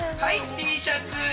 Ｔシャツ！